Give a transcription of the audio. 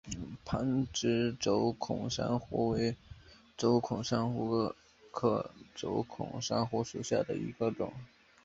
旁枝轴孔珊瑚为轴孔珊瑚科轴孔珊瑚属下的一个种。